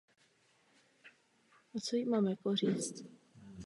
Evropský parlament by měl promlouvat jménem běžných občanů Evropské unie.